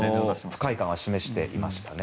不快感は示していました。